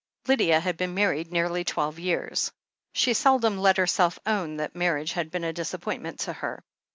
Lydia had been married nearly twelve years. She seldom let herself own that marriage had been a disappointment to her.